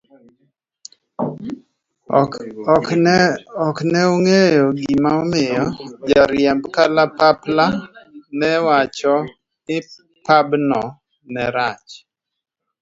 okne ong'eyo gima omiyo ja riemb kalapapla ne wacho ni pabno ne rach.